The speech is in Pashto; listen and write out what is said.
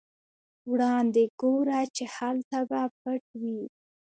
وړاندې ګوره چې هلته به پټ وي.